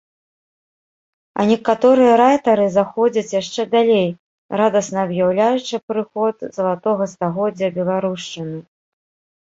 А некаторыя райтары заходзяць яшчэ далей, радасна аб'яўляючы прыход залатога стагоддзя беларушчыны.